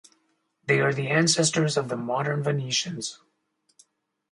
They are the ancestors of the modern Venetians.